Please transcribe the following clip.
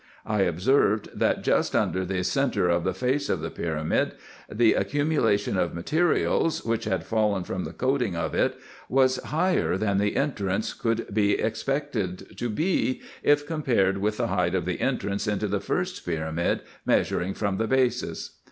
— I observed, that just under the centre of the face of the pyramid the accu mulation of materials, which had fallen from the coating of it, was higher than the entrance could be expected to be, if compared with L L 258 RESEARCHES AND OPERATIONS the height of the entrance into the first pyramid, measuring from the basis.